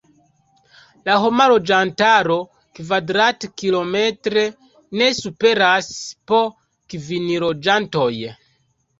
La homa loĝantaro kvadrat-kilometre ne superas po kvin loĝantoj.